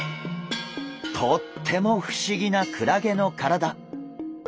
とっても不思議なクラゲの体。